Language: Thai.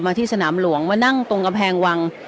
ที่สนามหลวงมานั่งตรงกำแพงวัง